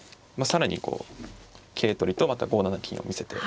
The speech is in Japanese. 更にこう桂取りとまた５七金を見せて。